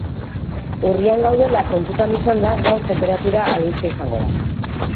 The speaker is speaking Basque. Urrian gaudela kontutan izanda, gaur tenperatura albiste izango da.